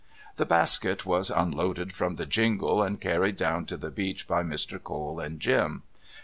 The basket was unloaded from the jingle and carried down to the beach by Mr. Cole and Jim.